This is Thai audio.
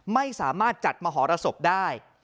ไม่สามารถจัดมหรสบได้